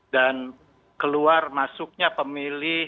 dan keluar masuknya pemilih